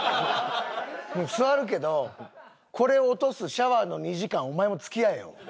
座るけどこれを落とすシャワーの２時間お前も付き合えよ。